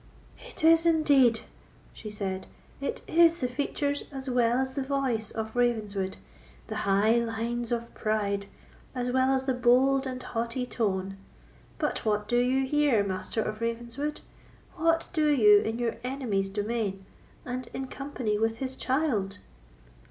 "It is indeed!" she said—"it is the features as well as the voice of Ravenswood—the high lines of pride, as well as the bold and haughty tone. But what do you here, Master of Ravenswood?—what do you in your enemy's domain, and in company with his child?"